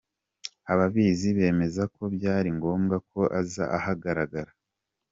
ababizi bemeza ko byari ngombwa ko aza ahagaragara.